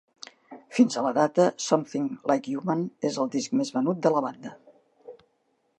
Fins a la data, "Something Like Human" és el disc més venut de la banda.